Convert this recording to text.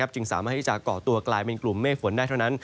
จึงสามารถที่จะเกาะตัวกลายเป็นกลุ่มเมฆฝนได้เท่านั้น